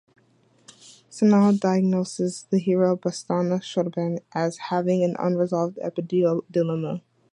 Sanyal diagnoses the hero, Basanta Choudhury, as having an unresolved Oedipal dilemma.